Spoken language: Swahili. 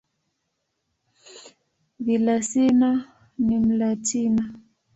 Villaseñor ni "Mlatina".